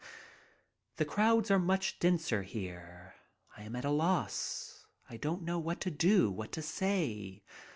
The crowds are much denser here. I am at a loss. I don't know what to do, what to say.